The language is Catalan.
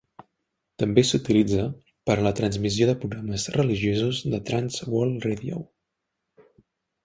També s'utilitza per a la transmissió de programes religiosos de Trans World Radio.